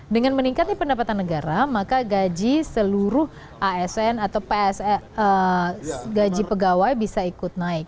dengan meningkatnya pendapatan negara maka gaji seluruh asn atau gaji pegawai bisa ikut naik